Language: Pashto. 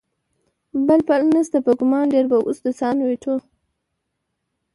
بل پل نشته، په ګمان ډېر به اوس د سان وېټو.